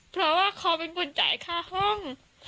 เพราะว่าเขาเป็นคนจ่ายค่าห้อง